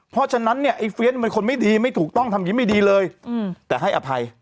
เพราะฉะนั้นเนี่ยไอ้เฟียนเป็นคนไม่ดีไม่ถูกต้องทำอย่างนี้ไม่ดีเลยแต่ให้อภัย